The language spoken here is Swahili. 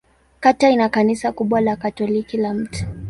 Kata ina kanisa kubwa la Katoliki la Mt.